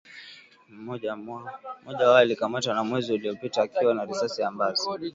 mmoja wao alikamatwa mwezi uliopita akiwa na risasi ambazo